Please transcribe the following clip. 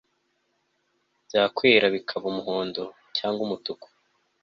byakwera bikaba umuhondo cyangwa umutuku